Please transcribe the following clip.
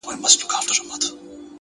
ما ويل ددې به هېرول نه وي زده،